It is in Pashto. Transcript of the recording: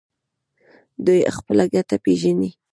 دوی خپله ګټه پیژني.